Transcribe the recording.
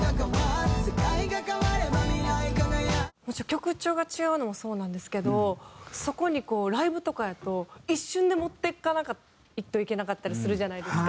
曲調が違うのもそうなんですけどそこにこうライブとかやと一瞬で持っていかないといけなかったりするじゃないですか。